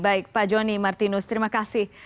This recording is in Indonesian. baik pak joni martinus terima kasih